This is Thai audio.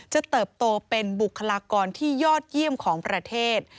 เติบโตเป็นบุคลากรที่ยอดเยี่ยมของประเทศ